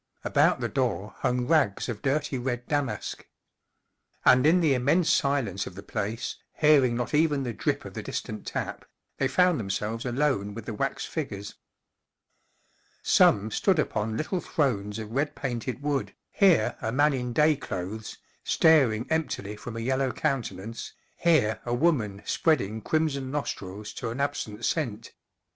About the door hung rags of dirty red damask. And in the immense silence of the place, hearing not even the drip of the distant tap, they found themselves alone with the wax figures. Some stood upon little thrones of red painted wood, here a man in day clothes, staring emptily from a yellow countenance, here a woman spreading crimson nostrils to an absent scent.